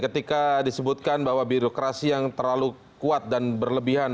ketika disebutkan bahwa birokrasi yang terlalu kuat dan berlebihan